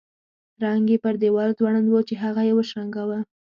زنګ یې پر دیوال ځوړند وو چې هغه یې وشرنګاوه.